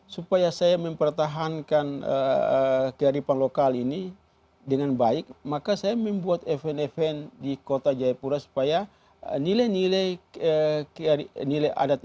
supaya saya mempertahankan kearifan lokal ini dengan baik maka saya membuat event event di kota jayapura supaya nilai nilai adat